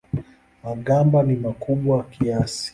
Magamba ni makubwa kiasi.